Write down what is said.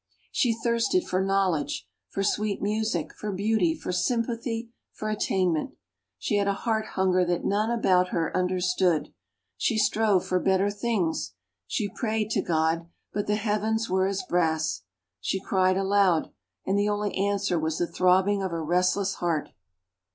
She thirsted for knowledge, for sweet music, for beauty, for sympathy, for attainment. She had a heart hunger that none about her understood. She strove for better things. She prayed to God, but the heavens were as brass; she cried aloud, and the only answer was the throbbing of her restless heart.